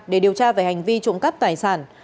để điều tra về hành vi trụng cấp tài sản